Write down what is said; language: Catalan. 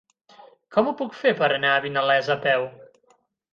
Com ho puc fer per anar a Vinalesa a peu?